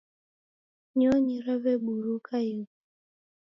Nyonyi raweburuka ighu.